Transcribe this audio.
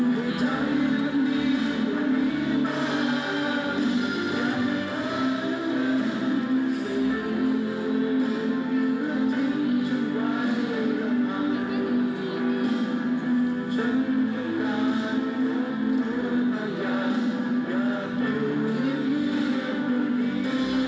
สีหวาน